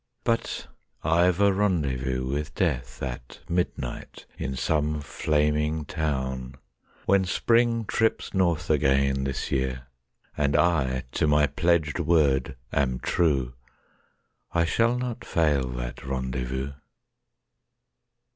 . But I've a rendezvous with Death At midnight in some flaming town, When Spring trips north again this year, And I to my pledged word am true, I shall not fail that rendezvous.